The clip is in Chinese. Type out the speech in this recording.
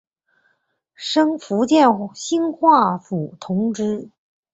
升福建兴化府同知。